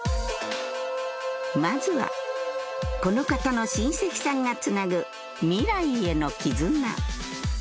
まずはこの方の親戚さんがつなぐ未来への絆